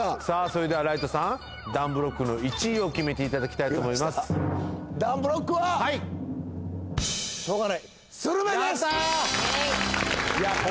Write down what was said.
それではライトさん団ブロックの１位を決めていただきたいと思います団ブロックはしょうがないやった！